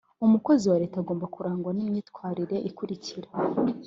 umukozi wa leta agomba kurangwa n’imyitwarire ikurikira: